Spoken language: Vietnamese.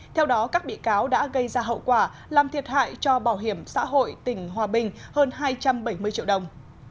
theo đó các bị cáo đã gây ra hậu quả làm thiệt hại cho bảo hiểm xã hội tỉnh hòa bình hơn hai trăm bảy mươi triệu đồng